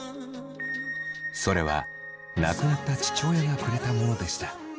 それは亡くなった父親がくれたものでした。